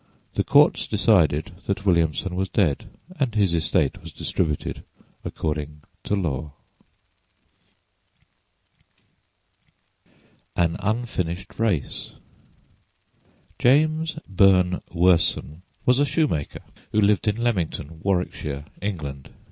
The courts decided that Williamson was dead, and his estate was distributed according to law. AN UNFINISHED RACE JAMES BURNE WORSON was a shoemaker who lived in Leamington, Warwickshire, England.